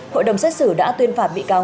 hội đồng xét xử đã tuyên phạt bị cáo